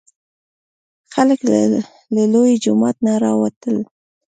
خلک له لوی جومات نه راوتل.